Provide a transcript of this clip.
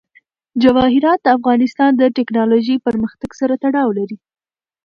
جواهرات د افغانستان د تکنالوژۍ پرمختګ سره تړاو لري.